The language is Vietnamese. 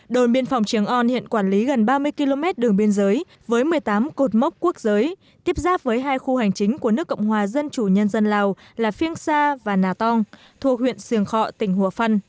đồn biên phòng trường on hiện quản lý gần ba mươi km đường biên giới với một mươi tám cột mốc quốc giới tiếp giáp với hai khu hành chính của nước cộng hòa dân chủ nhân dân lào là phiêng sa và nà tong thuộc huyện siềng khọ tỉnh hùa phân